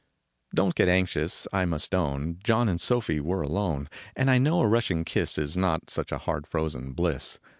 Don t get anxious ; I must own John and Sofie were alone. And I know a Russian kiss Is not such hard frozen bliss.